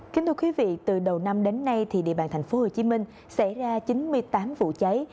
kính thưa quý vị từ đầu năm đến nay địa bàn thành phố hồ chí minh xảy ra chín mươi tám vụ cháy